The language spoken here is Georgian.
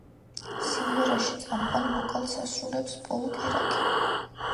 სიმღერაში წამყვან ვოკალს ასრულებს პოლ კერაკი.